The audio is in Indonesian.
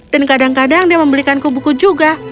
dan kadang kadang dia memberikanku buku juga